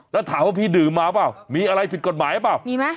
แล้วถามว่าพี่ดื่มมาเปล่ามีอะไรผิดกฎหมายหรือเปล่ามีไหม